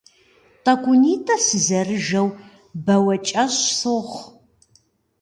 Тӏэкӏунитӏэ сызэрыжэу бауэкӏэщӏ сохъу.